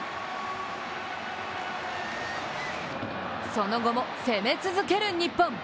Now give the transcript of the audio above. その後も攻め続ける日本。